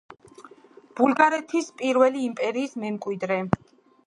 ბულგარეთის პირველი იმპერიის მემკვიდრე.